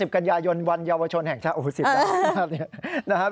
๒๐กันยายนวันเยาวชนแห่งชาวอู๋๑๐ดาว